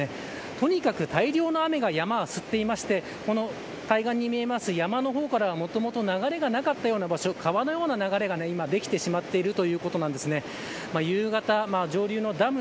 とにかく大量の雨を山が吸っていて対岸に見える山の方からはもともと流れがなかったような場所でも川のような流れができてしまっています。